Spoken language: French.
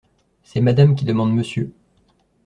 C’est Madame qui demande Monsieur.